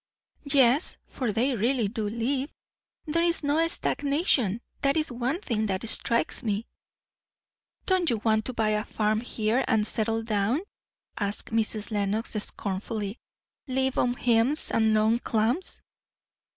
"Yes, for they really do live; there is no stagnation; that is one thing that strikes me." "Don't you want to buy a farm here, and settle down?" asked Mrs. Lenox scornfully. "Live on hymns and long clams?"